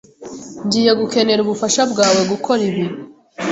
Ngiye gukenera ubufasha bwawe gukora ibi.